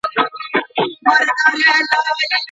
ولي ملي سوداګر طبي درمل له ایران څخه واردوي؟